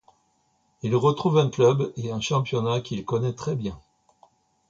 Il retrouve un club et un championnat qu'il connaît très bien.